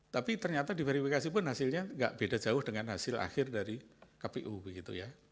tapi ternyata diverifikasi pun hasilnya nggak beda jauh dengan hasil akhir dari kpu begitu ya